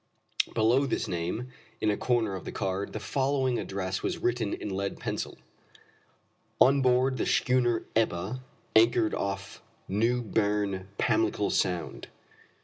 Below this name, in a corner of the card, the following address was written in lead pencil: "On board the schooner Ebba, anchored off New Berne, Pamlico Sound."